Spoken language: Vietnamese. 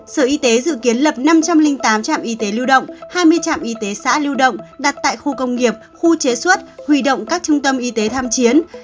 sở y tế dự kiến lập năm trăm linh tám trạm y tế lưu động hai mươi trạm y tế xã lưu động đặt tại khu công nghiệp khu chế xuất hủy động các trung tâm y tế tham chiến